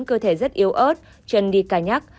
cơ thể rất yếu ớt chân đi cà nhắc